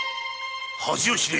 恥を知れ！